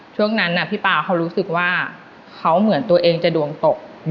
ช่วงนั้นพี่ป่าเขารู้สึกว่าเขาเหมือนตัวเองจะดวงตก